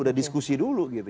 udah diskusi dulu gitu